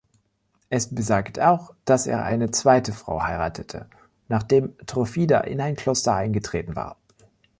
Es besagt auch, dass er eine zweite Frau heiratete, nachdem Turfida in ein Kloster eingetreten war.